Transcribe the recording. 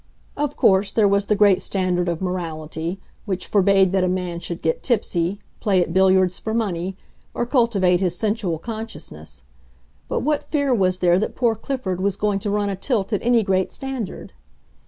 Of course there was the great standard of morality, which forbade that a man should get tipsy, play at billiards for money, or cultivate his sensual consciousness; but what fear was there that poor Clifford was going to run a tilt at any great standard?